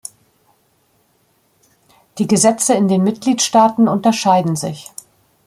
Die Gesetze in den Mitgliedstaaten unterscheiden sich.